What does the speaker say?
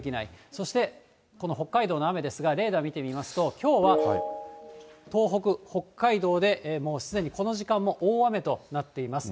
そしてこの北海道の雨ですが、レーダー見てみますと、きょうは東北、北海道で、もうすでにこの時間も大雨となっています。